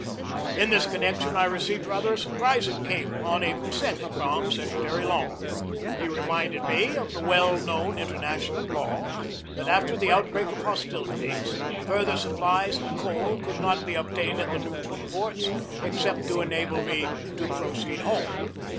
In this connection I received rather a surprising cable on April 2 from Secretary Long. He reminded me of the well known international law, that after the outbreak of hostilities further supplies and coal could not be obtained at the neutral ports, except to enable me to proceed home.